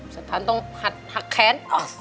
สตันต์ต้องหักแขน